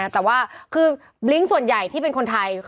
แต่ว่าคือบลิ้งส่วนใหญ่ที่เป็นคนไทย